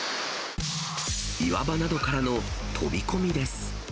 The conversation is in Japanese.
岩場などからの飛び込みです。